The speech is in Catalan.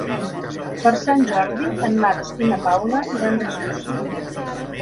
Per Sant Jordi en Max i na Paula iran d'excursió.